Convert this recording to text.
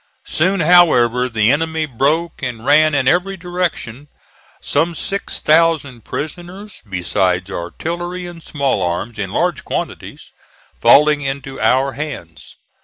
Soon, however, the enemy broke and ran in every direction; some six thousand prisoners, besides artillery and small arms in large quantities, falling into our hands.